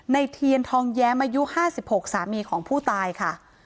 เทียนทองแย้มอายุ๕๖สามีของผู้ตายค่ะ